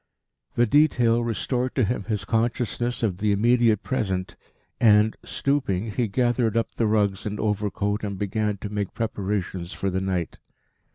The detail restored to him his consciousness of the immediate present, and, stooping, he gathered up the rugs and overcoat and began to make preparations for the night.